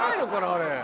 あれ。